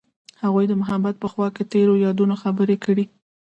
هغوی د محبت په خوا کې تیرو یادونو خبرې کړې.